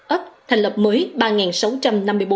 ấp thành lập mới